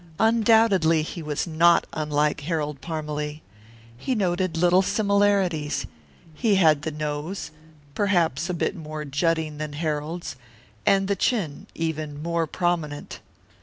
Undoubtedly he was not unlike Harold Parmalee. He noted little similarities. He had the nose, perhaps a bit more jutting than Harold's, and the chin, even more prominent.